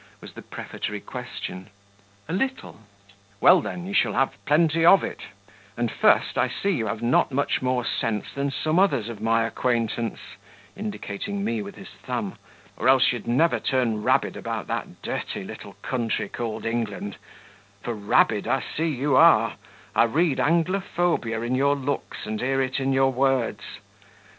was the prefatory question. "A little." "Well, then, you shall have plenty of it; and first, I see you've not much more sense than some others of my acquaintance" (indicating me with his thumb), "or else you'd never turn rabid about that dirty little country called England; for rabid, I see you are; I read Anglophobia in your looks, and hear it in your words.